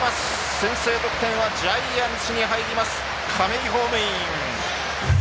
先制得点はジャイアンツに入ります、亀井ホームイン。